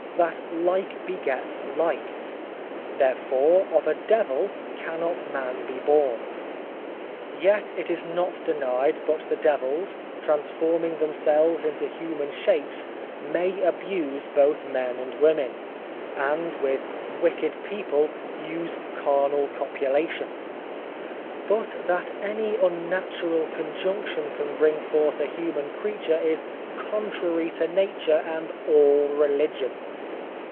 that like begets like; therefore, of a devil cannot man be born. Yet, it is not denied, but the devils, transforming themselves into human shapes, may abuse both men and women, and, with wicked people, use carnal copulation; but that any unnatural conjunction can bring forth a human creature is contrary to nature and all religion.